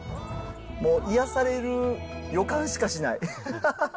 もう癒やされる予感しかしない。